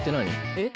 えっ？